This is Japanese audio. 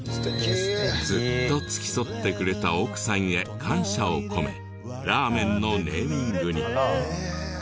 ずっと付き添ってくれた奥さんへ感謝を込めラーメンのネーミングに。